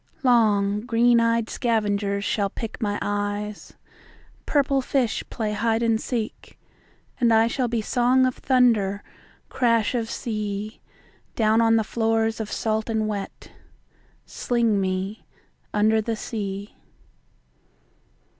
Long, green eyed scavengers shall pick my eyes, Purple fish play hide and seek, And I shall be song of thunder, crash of sea, Down on the floors of salt and wet. Sling me … under the sea.